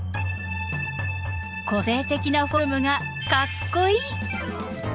個性的なフォルムがかっこイイ！